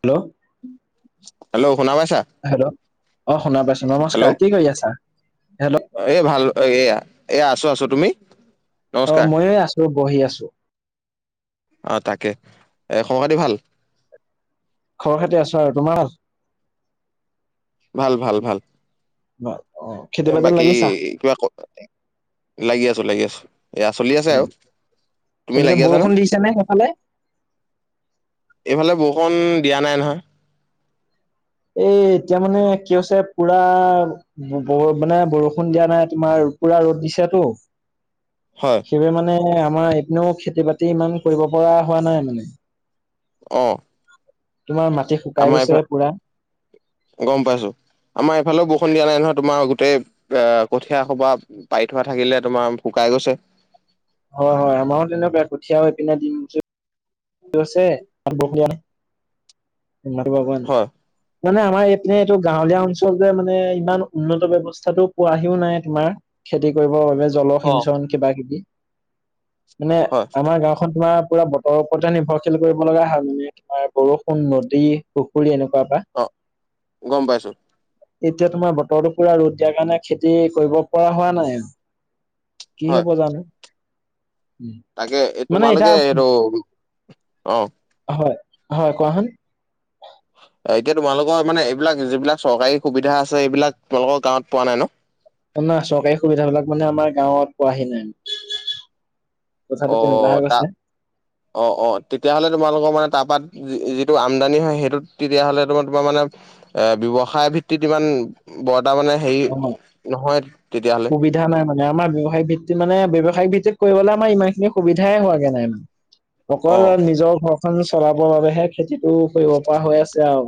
Hello. Hello, শুনা পাইছা। Hello, অ', শুনা পাইছো, হেল্ল' নমস্কাৰ কি কৰি আছা, হেল্ল'। এই ভাল এইয়া, এ আছো, আছো তুমি, নমস্কাৰ। মই বহি আছো। অ', তাকে এ খবৰ-খাতি ভাল? খবৰ খাতি আছো আৰু, তোমাৰ ভাল? ভাল, ভাল, ভাল, খেতি বাতিত বাকী লাগিছা কিবা ক লাগি আছো, লাগি আছো। এয়া চলি আছে আৰু, তুমি চলিছে লাগি আছা না। বৰষুণ দিছে নে সেইফালে এইফালে বৰষুণ দিয়া নাই নহয়। এই এতিয়া মানে কি হৈছে পুৰা ব মানে বৰষুণ দিয়া নাই, তোমাৰ পুৰা ৰ'দ দিছেতো। হয়। সেইবাবে মানে, আমাৰ এপিনেও খেতি-বাতি ইমান কৰিব পৰা হোৱা নাই মানে। অ'। তোমাৰ মাটি শুকাই আমাৰ গৈছে এইফাল, পুৰা গম পাইছো। আমাৰ এইফালেও বৰষুণ দিয়া নাই নহয়, তোমাৰ গোটেই এ কঠীয়া সোপা পাৰি থোৱা থাকিলে, তোমাৰ শুকাই গৈছে। হয়, হয় আমাৰো তেনেকুৱাই, কঠীয়া এপিনে দিন হৈছে। [unintelligible] তাত বৰষুণ দিয়া নাই? মাটি [unintelligible] হয়। মানে আমাৰ এইপিনে এইটো গাঁৱলীয়া অঞ্চল যে, মানে ইমান উন্নত ব্যৱস্থাটো পোৱাহিও নাই তোমাৰ। খেতি কৰিবৰ বাবে অ। জলসিঞ্চন কিবা কিবি। মানে হয় আমাৰ গাঁওখন তোমাৰ পুৰা ব ওপতে নিৰ্ভৰশীল কৰিব লগা হয়, মানে তোমাৰ বৰষুণ, নদী, পুখুৰী এনেকুৱা পা। অ, গম পাইছোঁ। এতিয়া তোমাৰ বতৰটো পুৰা ৰ'দ দিয়াৰ কাৰণে খেতি কৰিব পৰা হোৱা নাই। কি হয় হ'ব জানো? তাকে এই মানে তোমালোকে এতিয়া সেইটো অ। হয় হয়, কোৱাচোন? অ, এতিয়া তোমালোকৰ মানে এইবিলাক যিবিলাক চৰকাৰী সুবিধা আছে এইবিলাক তোমালোকৰ গাঁৱত পোৱা নাই ন? অ না, চৰকাৰী সুবিধা বিলাক মানে আমাৰ গাঁৱত পোৱাহি নাই। কথাটো অ তেনেকুৱা হৈ তা গৈছে অ অ, তেতিয়াহ'লে তোমালোকৰ মানে তাপাত যি যিটো আমদানি হয় সেইটোত তেতিয়াহ'লে তোমাৰ তোমাৰ মানে এ ব্যৱসায় ভিত্তিত ইমান ব এটা মানে হেৰি অ'। নহয় তেতিয়াহ সুবিধা নাই মানে। আমাৰ ব্যৱসায়িক ভিত্তিত মানে ব্যৱসায়িক ভিত্তিত কৰিবলে আমা ইমানখিনি সুবিধাই হোৱাগে নাই [inaudible] অকল অ' নিজৰ ঘৰখন চলাবৰ বাবেহে খেতিটো কৰিব পৰা হৈ আছে আৱ।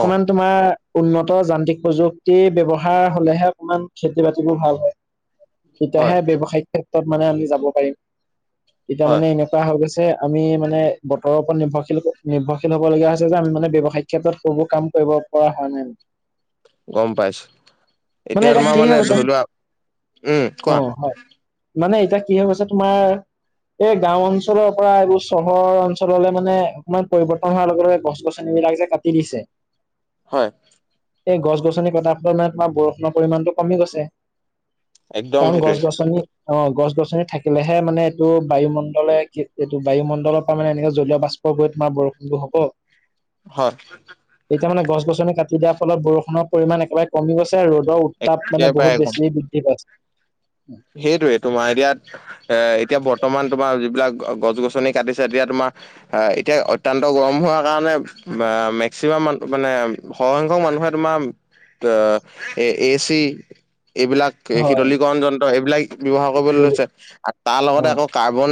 অ' তোমাৰ উন্নত যান্ত্ৰিক প্ৰযুক্তি ব্যৱহাৰ হ'লেহে অকমান খেতি বাতিবোৰ ভাল হয়। হয় তেতিয়াহে ব্যৱসায়িক ক্ষেত্ৰত মানে আমি যাব পাৰিম। এতিয়া হয় মানে এনেক হৈ গৈছে। আমি মানে বতৰৰওপৰত নিৰ্ভৰশীল নিৰ্ভৰশীল হ'ব লগিয়া হৈছে যে আমি মানে ব্যৱসায়িক ক্ষেত্ৰত সেইবোৰ কাম কৰিব পৰা হোৱা নাই। গম পাইছো। মানে এতিয়া তোমাৰ কি হৈ মানে গৈছে ধৰি লোৱা, উম অ কোৱা? হয় মানে এতিয়া কি হৈ গৈছে, তোমাৰ এই গাওঁ অঞ্চলৰ পৰা এইবোৰ চহৰৰ অঞ্চললে মানে অকমান পৰিবৰ্তন হোৱাৰ লগে লগে গছ গছনি বিলাক যে কাটি দিছে। হয়। এই গছ গছনি কটা সুলনাত [unintelligible] বৰষুণৰ পৰিমাণটো কমি গৈছে। একদম কাৰণ গছ সেইটোৱে গছনি অ, গছ গছনি থাকিলেহে মানে এইটো বায়ুমণ্ডলে কি এইটো বায়ুমণ্ডলৰ পৰা মানে এনেকে জলীয় বাচ [unintelligible] গৈ তোমাৰ বৰষুণবো হব। হয়। এতিয়া মানে গছ গছনি কাটি দিয়াৰ ফলত বৰষুণ পৰিমাণ একেবাৰে কমি গৈছে ৰ'দ। তাপ মানে বহুত একেবাৰে বেছিয়ে বৃদ্ধি পাইছে। সেইটোৱে তোমাৰ আইডিয়াত এ এতিয়া বৰ্তমান তোমাৰ যিবিলাক গছ গছনি কাটিছে, এতিয়া তোমাৰ এ এতিয়া অত্যান্ত গৰম হোৱাৰ কাৰণে বা মেক্সিমাম মানে সৰসংখ্যক মানুহে তোমাৰ [unintelligible] এ এ চি, এইবিলাক এই হয় শীতলীকৰণ যন্ত্ৰ, এইবিলাক ব্যৱহাৰ কৰিবলৈ যদি- লৈছে। আ তাৰ অ লগতে আকৌ কাৰ্বন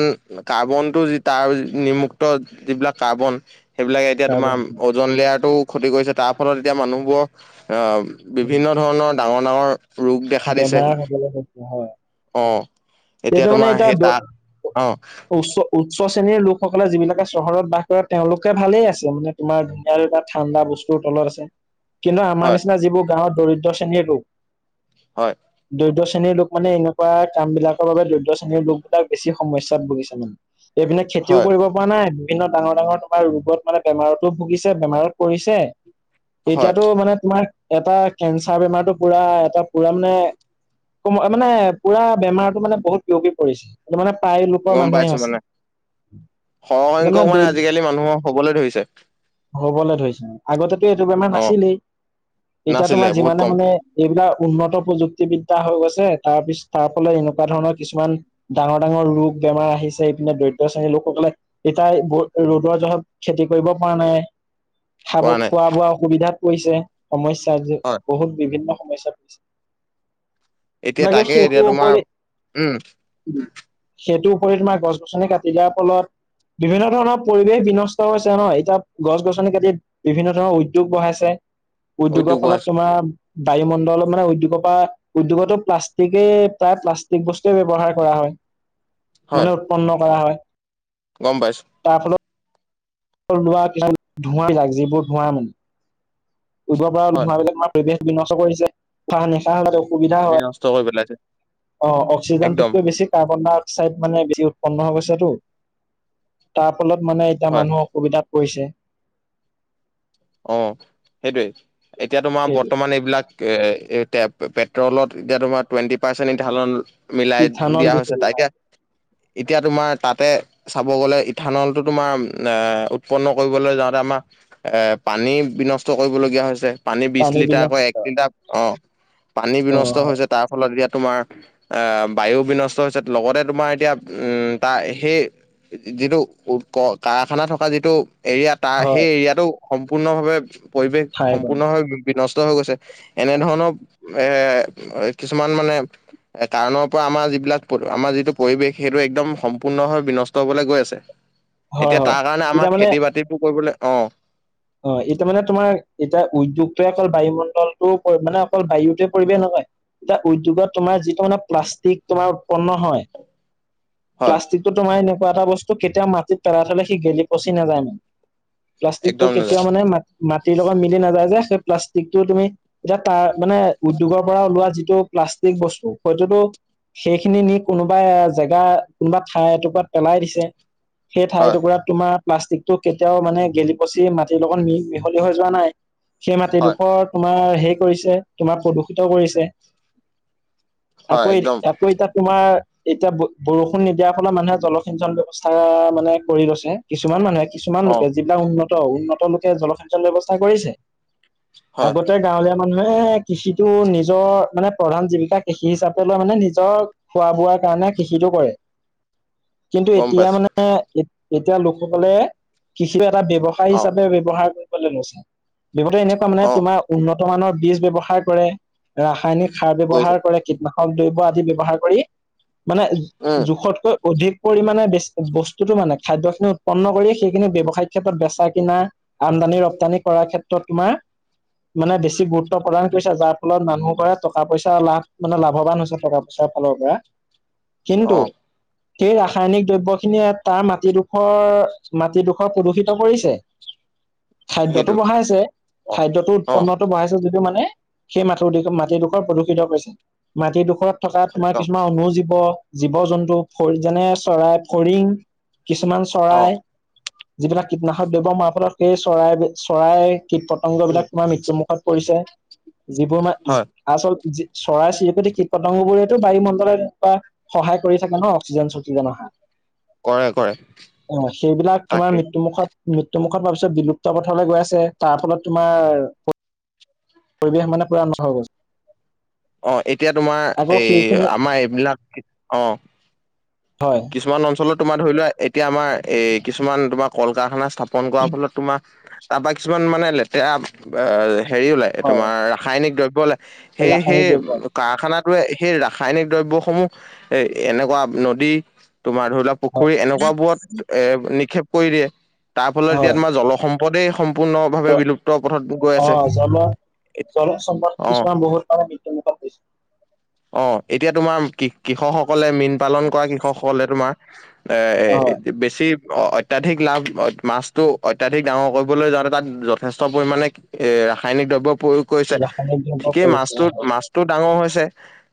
কাৰ্বনটো যি তাৰ নিমুক্ত যিবিলাক কাৰ্বন। সেইবিলাকে এতিয়া তাৰ তোমাৰ পৰা- ওজন লেয়াৰটো ক্ষতি কৰিছে। তাৰ ফলত এতিয়া মানুহবোৰ আ বিভিন্ন ধৰণ ডাঙৰ ডাঙৰ ৰোগ দেখা দিছে বেমাৰ হ'বলৈ [unintelligible] হয় অ, এইটো এতিয়া মানে তোমাৰ সেই এতিয়া তাত অ। উচ্চ উচ্চ শ্ৰেণীৰ লোকসকলে যিবিলাকে চহৰত বাস কৰে তেওঁলোকে ভালেই আছে মানে তোমাৰ ধুনীয়া এটা ঠাণ্ডা বস্তু ত তলত আছে কিন্তু আমাৰ হয় নিচিনা যিবোৰ গাঁৱত দৰিদ্ৰ শ্ৰেণীৰ লোক হয় দৰিদ্ৰ শ্ৰেণীৰ লোক মানে এনেকুৱা কাম বিলাকৰ বাবে দৰিদ্ৰ শ্ৰেণীৰ লোক বিলাক বেছি সমস্যাত ভুগিছে মানে এইপিনে খেতিও হয় কৰিব পোৱা নাই বিভিন্ন ডাঙৰ ডাঙৰ তোমাৰ ৰোগত মানে বেমাৰতো ভুগিছে বেমাৰত পৰিছে হয় এতিয়াতো মানে তোমাৰ এটা কেঞ্চাৰ বেমাৰটো পুৰা এটা পুৰা মানে ক মানে পুৰা বেমাৰটো মানে বহুত বিয়পি পৰিছে এইটো মানে প্ৰায় লোকৰ মানুহে হৈছে সৰহসংখ্যক মানে আজিকালি মানুহৰ হবলৈ ধৰিছে হবলে ধৰিছে আগতেটো এইটো বেমাৰ অ নাছিলেই এতিয়া নাছিলে তোমাৰ বহুত যিমানে কম মানে এইবিলাক উন্নত প্ৰযুক্তিবিদ্যা হৈ গৈছে তাৰ পিছ তাৰ ফালত এনেকুৱা ধৰণৰ কিছুমান ডাঙৰ ডাঙৰ ৰোগ বেমাৰ আহিছে ইপিনে দৰিদ্ৰ শ্ৰেণী লোকসকলে এতিয়া ৰ'দৰ জহত খেতি কৰিব পৰা নাই খাব পোৱা নাই খোৱা বোৱা অসুবিধাত পৰিছে সমস্যা হয় বহুত বিভিন্ন সমস্যাত [unintelligible] এতিয়া তাকে এতিয়া সেইটোৰ উপৰি তোমাৰ উম সেইটোৰ উপৰি তোমাৰ গছ গছনি কাটি দিয়াৰ ফলত বিভিন্ন ধৰণৰ পৰিৱেশ বিনষ্ট হৈছে ন এতিয়া গছ গছনি কাটিত বিভিন্ন ধৰণৰ উদ্যোগ বঢ়াইছে উদ্যোগ উদ্যোগৰ ফলত বঢ়াইছে তোমাৰ বায়ুমণ্ডলত মানে উদ্যোগৰ পৰা উদ্যোগটো প্লাষ্টিকে প্ৰায় প্লাষ্টিক বস্তুৱে ব্যৱহাৰ কৰা হয় হয় মানে উৎপন্ন কৰা হয় গম পাইছো তাৰ ফলত লোৱা ধোঁৱা বিলাগ যিবোৰ ধোঁৱা মানে উব পৰাল হয় ধোঁৱা বিলাগে তোমাৰ পৰিৱেশ বিনষ্ট কৰিছে উশাস নিশা হলে অসুবিধা বিনষ্ট কৰি পেলাইছে হয় অ একদম অক্সিজেনটোতকৈ বেছি কাৰ্বন ডাই অক্সাইড মানে বেছি উৎপন্ন হৈ গৈছেটো তাৰ ফলত মানে এতিয়া হয় মানুহৰ অসুবিধাত কৈছে অ সেইটোৱে এতিয়া তোমাৰ সেইটো বৰ্তমান এইবিলাক এ এ পেট্ৰলত এতিয়া তোমাৰ টুৱেণ্টি পাৰ্চেণ্ট এথালন মিলাই ইথানল দিয়া দিছে হৈছে ত এতিয়া এতিয়া তোমাৰ তাতে চাব গলে ইথানলটো তোমাৰ এ উৎপন্ন কৰিবলৈ যাওঁতে আমাৰ এ পানী বিনষ্ট কৰিবলীয়া হৈছে। পানী বিশ লিটাৰকৈ এক লিটাৰ আহ' পানী অ বিনষ্ট হয় হৈছে তাৰ ফলত এতিয়া তোমাৰ আহ বায়ু বিনষ্ট হৈছে। লগতে তোমাৰ এতিয়া তাৰ সেই যিটো উ কাৰখানা থকা যিটো এৰিয়াত তাৰ সেই হয় এৰিয়াটো সম্পূৰ্ণভাৱে পৰিৱেশ হয় সম্পূৰ্ণভাৱে বিনষ্ট হৈ গৈছে। এনেধৰণৰ এৰ কিছুমান মানে এ কাৰণৰ পৰা আমাৰ যিবিলাক আমাৰ যিটো পৰিৱেশ সেইটো একদম সম্পূৰ্ণভাৱে বিনষ্ট হবলৈ গৈ আছে [unintelligible] এতিয়া তাৰ কাৰণে এতিয়া আমাৰ মানে খেতি বাতি বোৰ কৰিবলৈ অ'। অ এতিয়া মানে তোমাৰ এতিয়া উদ্যোগটোৱে অকল বায়ুমণ্ডলটো মানে অকল বায়ুটোৱ পৰিব নহয়। এতিয়া উদ্যোগত তোমাৰ যিটো মানে প্লাষ্টিক তোমাৰ উৎপন্ন হয় হয় প্লাষ্টিকটো তোমাৰ এনেকুৱা এটা বস্তু কেতিয়াও মাটিত পেলাই থলে সি গেলি পচি নাযায় মানে প্লাষ্টিকটো একদম নাযায় কেতিয়াও মানে, মা মাটিৰ লগত মিলি নাযায় যে সেই প্লাষ্টিকটো তুমি এতিয়া তাৰ, মানে উদ্যোগৰ পৰা ওলোৱা যিটো প্লাষ্টিক বস্তু হয়টোতো সেইখিনি নি কোনোবাই এ জেগা কোনোবা ঠাই এটুকুৰাত পেলাই দিছে। সেই ঠাই হয় টুকুৰাত তোমাৰ প্লাষ্টিক টো কেতিয়াও মানে গেলি পচি মাটিৰ লগত মি মিহলি হৈ যোৱা নাই সেই হয় মাটিডোখৰত তোমাৰ হেৰি কৰিছে তোমাৰ প্ৰদূষিত কৰিছে হয় আকৌ একদম আকৌ এতিয়া তোমাৰ এতিয়া ব বৰষুণ নিদিয়াৰ ফলত মানুহে জলসিঞ্চন ব্যৱস্থা মানে কৰি লৈছে কিছুমান মানুহে, কিছুমান অ লোকে যিবিলাক উন্নত উন্নত লোকে জলসিঞ্চনৰ ব্যৱস্থা কৰিছে। হয় আগতে গাঁৱলীয়া মানুহে কৃষিতটো নিজৰ মানে প্ৰধান জীৱিকা কৃষি হিচাপে লৈ মানে নিজৰ খোৱা, বোৱাৰ কাৰণে কৃষিতটো কৰে। কিন্তু গম এতিয়া পাইছো মানে, এতিয়া লোকসকলে কৃষিৰ এটা বব্যৱসায় অ হিচাপে ব্যৱহাৰ কৰিবলৈ লৈছ। বিগতে এনেকুৱা মানে অ তোমাৰ উন্নত মানৰ বীজ ব্যৱহাৰ কৰে, ৰাসায়নিক সাৰ কৰিছে ব্যয়ৱহাৰ কৰে কীটনাশক দ্ৰব্য আদি ব্যৱহাৰ কৰি, মানে উম জোখতকৈ অধিক পৰিমাণে বেছি বস্তুতটো মানে খাদ্য খিনি উৎপন্ন কৰি সেইখিনি ব্যৱসায়িক ক্ষেত্ৰত বেচাই কিনা আমদানি ৰপ্তানি কৰাৰ ক্ষেত্ৰত তোমাৰ মানে বেছি গুৰুত্ব প্ৰদান কৰিছে। যাৰ ফলত মানুহবোৰে টকা পইচা লাভ মানে লাভৱান হৈছে টকা পচাৰ ফালৰ পৰা। কিন্তু অ সেই ৰাসায়নিক দ্ৰব্য খিনিয়ে তাৰ মাটিডোখৰ, মাটিডোখৰ প্ৰদূষিত কৰিছে। খাদ্যতটো সেইটো বঢ়াইছে। অ খাদ্যটো অ উৎপন্নত বহাইছে যিটো মানে, সেই মাটোৰ মাটিডোখৰ প্ৰদূষিত কৰিছে। মাটিৰডোখৰত থকা তোমাৰ একদম কিছুমান অনুজীৱ, জীৱ-জন্তু যেনে-চৰাই ফৰিং কিছুমান অ চৰাই যিবিলাক কীটনাশক দেৱৰ মাৰফত সেই চৰাই চৰাইৰ, কীট পতংগ উম বিলাক তোমাৰ মৃত্যুমুখত পৰিছে। যিবোৰ মান হয় আচল চৰাই চিৰিকতি কীটতংগ বোৰেতো বায়ুমণ্ডলত বা সহায় কৰি থাকে ন অক্সিজেন চক্সিজেনৰ কৰে কৰে অ সেইবিলাক তোমাৰ তাকে মৃত্যু মুুখত মৃত্যুমুখত সোৱাৰ পিছত বিলুপ্ত পথলৈ গৈ আছে তাৰ ফলত তোমাৰ পৰিৱেশ মানে পূৰা নষ্ট সৈ গৈছে অ'। এতিয়া তোমাৰ আকৌ এই সেইখিনি আমাৰ এইবিলাক অ' হয়। কিছুমান অঞ্চলত তোমাৰ ধৰি লোৱা এতিয়া আমাৰ এই কিছুমান তোমাৰ কল কাৰখানা স্থাপন কৰাৰ ফলত তোমাৰ। তাৰপা কিছুমান মানে লেতেৰা হেৰি ওলাই হয় তোমাৰ ৰাসায়নিক দ্ৰব্য ওলাই। সেই সে ৰাসায়নিক দ্ৰব্য কাৰখানটোৱে সেই ৰাসায়নিক দ্ৰব্যসমূহ এ এনেকুৱা নদী তোমাৰ ধৰি লোৱা হয় পুখুৰী এনেকুৱাবোৰত এ নিক্ষেপ কৰি দিয়ে তাৰ ফলত এতিয়া হয় তোমাৰ জলসম্পদ পদেই সম্পূৰ্ণভাৱে ত- বিলুপ্ত পথত গৈ আছে জলসম্পদ অ', কিছুমান বহুত পৰে মৃত্যু মুখত অ এতিয়া তোমাৰ কৃষকসকলে মীন পালন কৰা কৃষকসকলে তোমাৰ হয় এ বেছি অ অত্যাধিক লাভ মাছটো অত্যাধিক ডাঙৰ কৰিবলৈ যাওঁতে তাত যথেষ্ট পৰিমাণে এ ৰাসায়নিক দ্ৰব্য প্ৰয়োগ কৰিছে ৰাসায়নিক দ্ৰব্য ঠিকেই প্ৰয়োগ মাছটো কৰা হয় মাছ টো ডাঙৰ হৈছে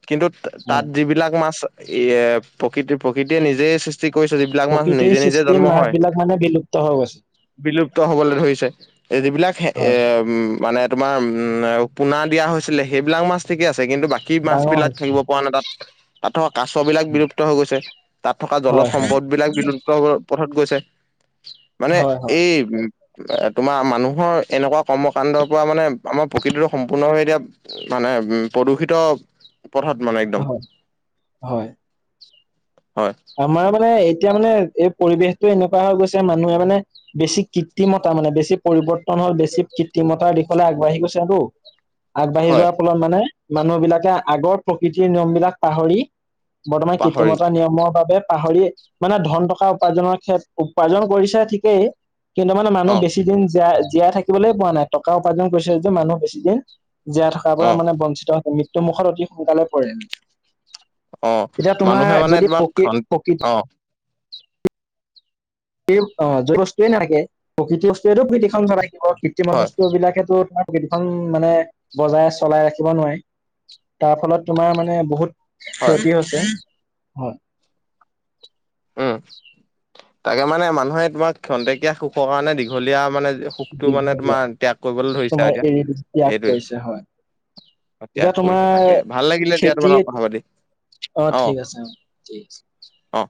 কিন্তু তাত হয় যিবিলাক মাছ এ প্ৰকৃতিৰ প্ৰকৃতিয়ে নিজে সৃষ্টি কৰিছে যিবিলাক মানুহ প্ৰকৃতিৰ নিজে নিজে সৃষ্টি জন্ম মাছ হয়। বিলাক মানে বিলুপ্ত হৈ গৈছে বিলুপ্ত হ'বলৈ ধৰিছে যিবিলাক এ হয় মানে তোমাৰ পোনা দিয়া হৈছিলে সেইবিলাক মাছ, ঠিকে আছে কিন্তু বাকী। কি মাছ, ডাঙৰ বিলাক হৈছে থাকিব পৰা নাই তাত তাত থ কাচ বিলাক বিলুপ্ত হৈ গৈছে। তাত থকা জল হয় হয় সম্পদ বিলাক বিলুপ্ত পথত গৈছে মানে হয় হয় এই উ এ তোমাৰ মানুহৰ এনেকুৱা কৰ্ম কাণ্ডৰ পৰা মানে আমাৰ প্ৰকৃতিতটো সম্পূৰ্ণভাৱে এতিয়া। মানে উ প্ৰদূষিত পথত মানে একদম হয় হয়। হয়। আমাৰ মানে এতিয়া মানে এই পৰিৱেশটো এনেকুৱা হৈ গৈছে মানুহে মানে বেছি কৃত্ৰিমতা মানে বেছি পৰিৱৰ্তন হ'ল বেছি কৃত্ৰিমতাৰ দিশলৈ আগবাঢ়ি গৈছে তো আগবাঢ়ি হয়, যোৱাৰ ফলত মানে মানুহবিলাকে আগৰ প্ৰকৃতিৰ নিয়ম বিলাক পাহৰি। বৰ্তমান পাহৰি কৃত্ৰিমতা নিয়মৰ বাবে পাহৰি মানে ধন টকা উপাৰ্জন ক্ষেএ উপাৰ্জন কৰিছে ঠিকেই কিন্তু মানে মানুহ অ', বেছি দিন জীয়া -জীয়াই থাকিবলৈ পোৱা নাই টকা উপাৰ্জন কৰিছে যে মানুহ বেছি দিন জীয়াই থকাৰ পৰা অ', মানে বঞ্চিত হয় মৃত্যু মুুখত অতি সোনকালে পৰে। অ', এতিয়া তোমাৰ মানুহে মানে যদি তোমাক প্ৰকৃত খন- প্ৰকৃত অ সেই অ যি বস্তুৱে নাথাকে প্ৰকৃৃতি বস্তুৱেয়েতটো পৃথিবীখন চলাই থাকিব কৃত্ৰিমত হয়, বস্তু বিলাকেতো ত প্ৰকৃতিখন মানে বজাই চলাই ৰাখিব নোৱাৰি তাৰ ফলত তোমাৰ মানে বহুত হয়, ক্ষয়তি হৈছে হয়। উম তাকে মানে মানুহে তোমাৰ ক্ষন্তেকীয়া সুখৰ কাৰণে দীঘলীয়া মানে। পোকটো মানে দীঘলীয়া তোমাৰ ত্যাগ কৰিবলৈ ধৰিছে তোমাৰ আৰু এতিয়া এৰি ত্যাগ সেইটোৱে কৰিছে হয় এতিয়া ত্যাগ তোমাৰ কৰিছে তাকে ভাল লাগিলে দিয়া খেতি তোমাৰ কথা পাতি। অ ঠিক আছে অ ঠিক আছে। অ